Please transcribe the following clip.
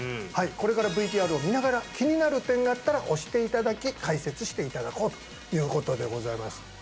はいこれからＶＴＲを見ながら気になる点があったら押していただき解説していただこうということでございます